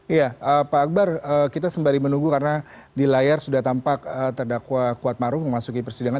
iya pak akbar kita sembari menunggu karena di layar sudah tampak terdakwa kuatmaruf memasuki persidangan